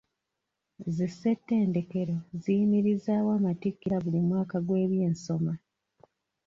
Zi ssettendekero ziyimirizaawo amattikira buli mwaka gw'ebyensoma.